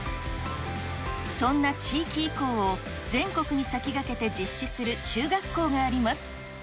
そんな地域移行を全国に先駆けて実施する中学校があります。